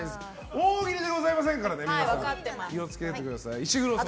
大喜利ではございませんからね気を付けてください。